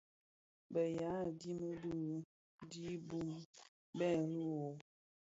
Bèè yaà dig bì di bum bê rì wôô.